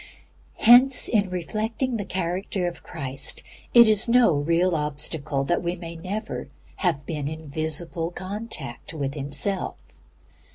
Hence, in reflecting the character of Christ, it is no real obstacle that we may never have been in visible contact with Himself.